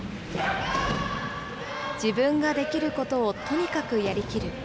自分ができることを、とにかくやりきる。